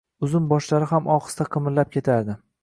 uzum boshlari ham ohista qimirlab ketardi…